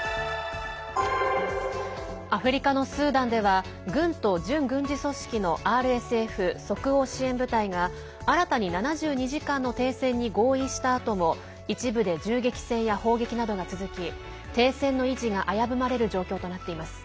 アフリカのスーダンでは軍と準軍事組織のＲＳＦ＝即応支援部隊が新たに７２時間の停戦に合意したあとも一部で銃撃戦や砲撃などが続き停戦の維持が危ぶまれる状況となっています。